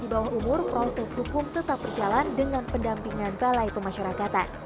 di bawah umur proses hukum tetap berjalan dengan pendampingan balai pemasyarakatan